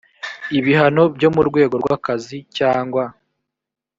ibihano byo mu rwego rw akazi cyangwa